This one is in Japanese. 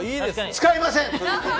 使いません！